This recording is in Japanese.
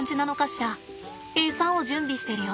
エサを準備してるよ。